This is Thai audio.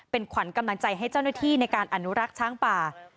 เป็นขวัญกำลังใจให้เจ้าหน้าที่ในการอนุรักษ์ช้างป่า